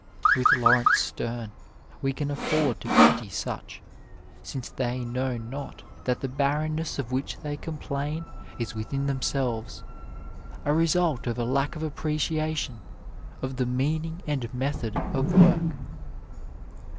With Laurence Sterne, we can afEord to pity such, since they know not that the barrenness of which they complain is within themselves, a result of a lack of appreciation of the meaning and method of work.